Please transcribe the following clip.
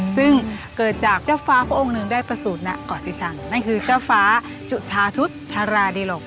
ซึ่งเกิดจากเจ้าฟ้าพระองค์หนึ่งได้ประสูจนณเกาะสิชังนั่นคือเจ้าฟ้าจุธาทุษธาราดิหลก